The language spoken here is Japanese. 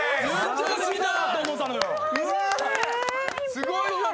すごいじゃん。